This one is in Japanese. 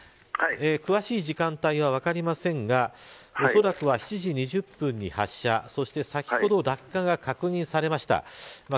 詳しい時間帯は分かりませんがおそらくは７時２０分に発射そして先ほど落下が確認されました。